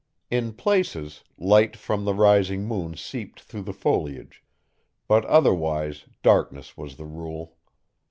In places, light from the rising moon seeped through the foliage, but otherwise darkness was the rule.